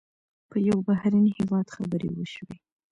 په یو بهرني هېواد خبرې وشوې.